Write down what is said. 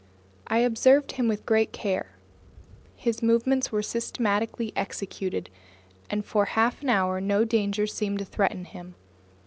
I observed him with great care. His movements were systematically executed, and for half an hour no danger seemed to threaten him.